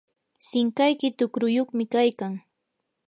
sinqayki tuqruyuqmi kaykan.